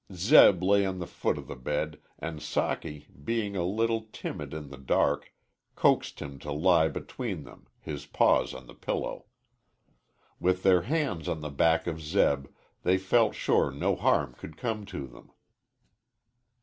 Zeb lay on the foot of the bed, and Socky, being a little timid in the dark, coaxed him to lie between them, his paws on the pillow. With their hands on the back of Zeb, they felt sure no harm could come to them.